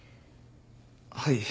はい。